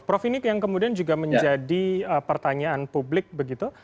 prof ini yang kemudian juga menjadi pertanyaan publik begitu